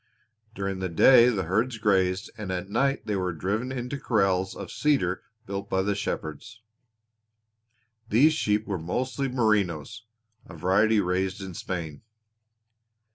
During the day the herds grazed, and at night they were driven into corrals of cedar built by the shepherds. These sheep were mostly Merinos, a variety raised in Spain.